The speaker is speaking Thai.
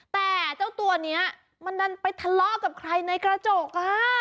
แต่เจ้าตัวนี้มันดันไปทะเลาะกับใครในกระจก